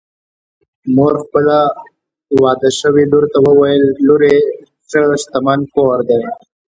مور خپلې واده شوې لور ته وویل: لورې! ښه شتمن کور دی